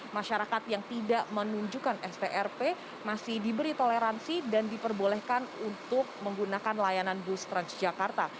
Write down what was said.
masyarakat yang tidak menunjukkan strp masih diberi toleransi dan diperbolehkan untuk menggunakan layanan bus transjakarta